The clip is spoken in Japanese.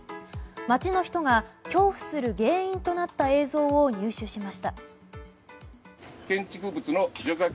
町の人が恐怖する原因となった映像を入手しました。